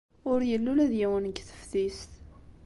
Ur yelli ula d yiwen deg teftist.